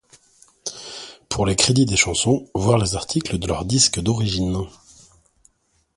Pour les crédits des chansons, voir les articles de leurs disques d'origine.